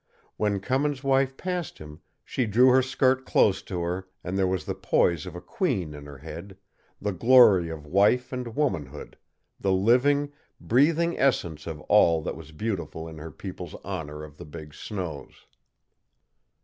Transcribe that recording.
When Cummins' wife passed him, she drew her skirt close to her; and there was the poise of a queen in her head, the glory of wife and womanhood, the living, breathing essence of all that was beautiful in her people's honor of the big snows.